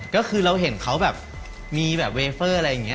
ก็คือเราเห็นเขาแบบมีแบบเวเฟอร์อะไรอย่างนี้